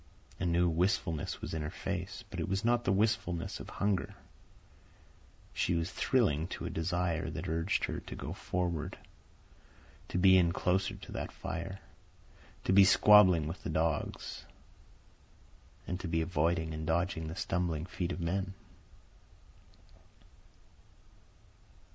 A new wistfulness was in her face, but it was not the wistfulness of hunger. She was thrilling to a desire that urged her to go forward, to be in closer to that fire, to be squabbling with the dogs, and to be avoiding and dodging the stumbling feet of men.